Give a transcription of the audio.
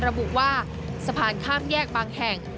ระบุว่าสะพานข้ามแยกบางแห่ง